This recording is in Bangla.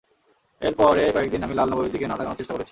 এরপরে কয়েকদিন, আমি লাল নবাবের দিকে না তাকানোর চেষ্টা করেছি।